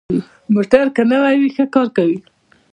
موټر که نوي وي، ښه کار کوي.